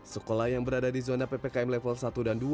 sekolah yang berada di zona ppkm level satu dan dua